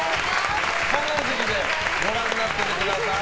観覧席でご覧になっててください。